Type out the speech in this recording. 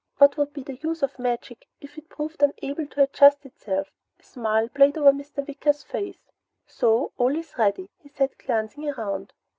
"What would be the use of magic if it proved unable to adjust itself?" A smile played over Mr. Wicker's face. "So, all is ready," he said glancing around.